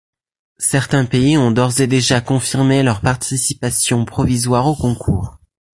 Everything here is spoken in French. Certains pays ont d'ores et déjà confirmé leur participation provisoire au Concours.